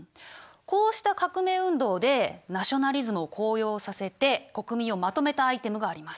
こうした革命運動でナショナリズムを高揚させて国民をまとめたアイテムがあります。